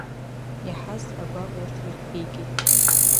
Иаҳаз агәаӷ урҭ ирхигеит.